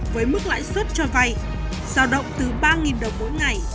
với mức lãi suất cho vay giao động từ ba đồng mỗi ngày